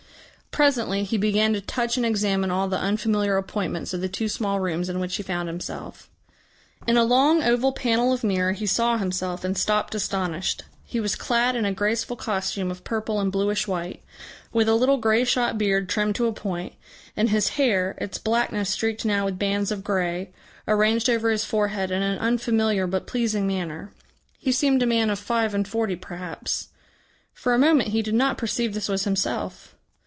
Presently he began to touch and examine all the unfamiliar appointments of the two small rooms in which he found himself. In a long oval panel of mirror he saw himself and stopped astonished. He was clad in a graceful costume of purple and bluish white, with a little greyshot beard trimmed to a point, and his hair, its blackness streaked now with bands of grey, arranged over his forehead in an unfamiliar but pleasing manner. He seemed a man of five and forty perhaps. For a moment he did not perceive this was himself.